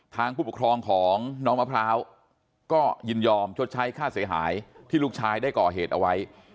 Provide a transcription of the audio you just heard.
ผู้ปกครองของน้องมะพร้าวก็ยินยอมชดใช้ค่าเสียหายที่ลูกชายได้ก่อเหตุเอาไว้